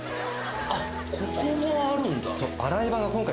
あっここもあるんだ。